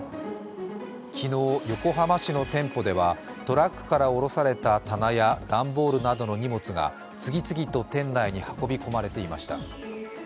昨日、横浜市の店舗ではトラックから降ろされた棚や段ボールなどの荷物が次々と店内に運び込まれていました。